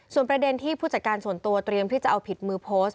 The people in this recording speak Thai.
ส่วนประเด็นที่ผู้จัดการส่วนตัวเตรียมที่จะเอาผิดมือโพสต์